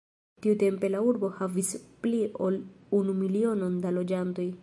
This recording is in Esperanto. Tiutempe la urbo havis pli ol unu milionon da loĝantoj.